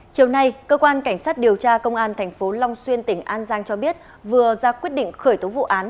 chiều nay cơ quan cảnh sát điều tra công an tp long xuyên tỉnh an giang cho biết vừa ra quyết định khởi tố vụ án